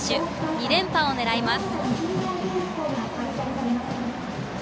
２連覇を狙います。